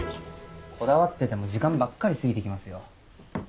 こだわってても時間ばっかり過ぎて行きますよ。